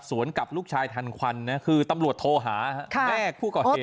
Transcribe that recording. สวนกับลูกชายทันควันนะคือตำลวดโทรหาค่ะแม่ผู้ก่อเหตุโอ้